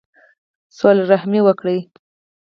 صلہ رحمي وکړئ